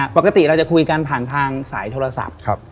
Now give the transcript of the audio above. ปกติเราจะคุยกันผ่านทางสายโทรศัพท์